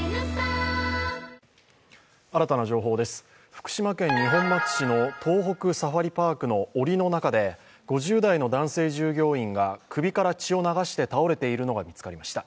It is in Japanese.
福島県二本松市の東北サファリパークの檻の中で５０代の男性従業員が首から血を流して倒れているのが見つかりました。